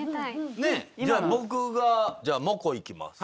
じゃあ僕がモコいきます。